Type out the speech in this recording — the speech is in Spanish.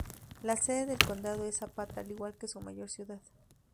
La sede del condado es Zapata, al igual que su mayor ciudad.